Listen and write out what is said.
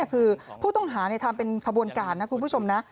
คือผู้ต้องหาทำเป็นขบวนการนะคุณผู้ชมนะ